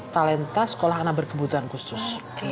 talenta sekolah anak berkebutuhan khusus